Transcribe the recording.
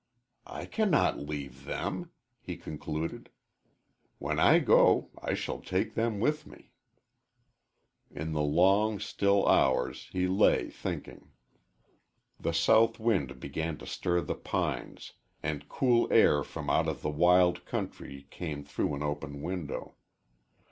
"I cannot leave them," he concluded. "When I go I shall take them with me." In the long, still hours he lay thinking. The south wind began to stir the pines, and cool air from out of the wild country came through an open window.